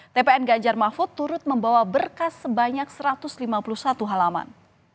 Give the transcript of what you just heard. tpn ganjar mahfud turut membawa berkas sebanyak satu ratus lima puluh satu halaman